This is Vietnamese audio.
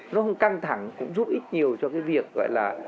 nó không căng thẳng cũng giúp ích nhiều cho cái việc gọi là